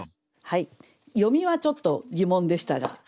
読みはちょっと疑問でしたが。